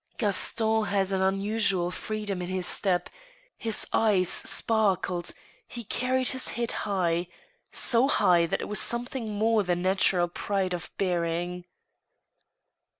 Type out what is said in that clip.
Gaston had an unusual freedom in his step, his eyes sparkled, he carried his head high — so high that it was something more than natural pride of bearing.